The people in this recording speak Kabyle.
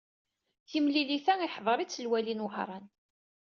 Timlilit-a, iḥḍer-tt lwali n Wehran.